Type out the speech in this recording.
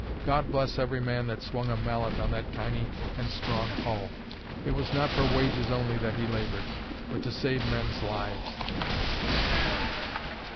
God bless every man that swung a mallet on that tiny and strong hull! It was not for wages only that he laboured, but to save men's lives.